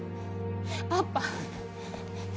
パパ。